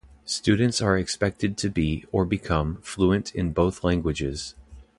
Students are expected to be, or become, fluent in both languages.